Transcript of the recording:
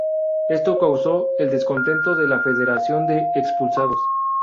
Esto causó el descontento de la Federación de expulsados.